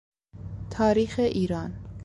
تاریخ ایران